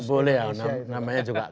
boleh namanya juga